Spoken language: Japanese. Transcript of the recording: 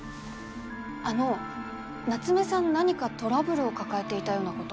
あの夏目さん何かトラブルを抱えていたようなことは？